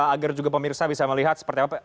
agar juga pemirsa bisa melihat seperti apa